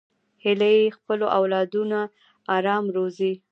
هیلۍ خپل اولادونه آرام روزي